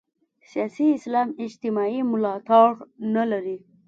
سیاسي اسلام اجتماعي ملاتړ نه لري.